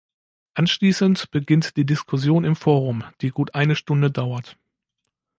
Anschließend beginnt die Diskussion im Forum, die gut eine Stunde dauert.